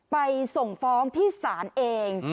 ไปส่งฟ้องที่ศาลเอง